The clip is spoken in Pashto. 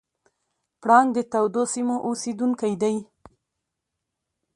پړانګ د تودو سیمو اوسېدونکی دی.